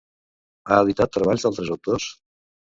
Ha editat treballs d'altres autors?